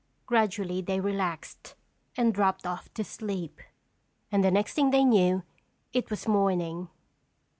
Gradually they relaxed and dropped off to sleep. And the next thing they knew it was morning.